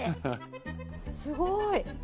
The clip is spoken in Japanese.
すごーい。